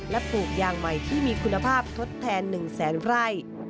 และปลูกยางใหม่ที่มีคุณภาพทดแทน๑แสนไร่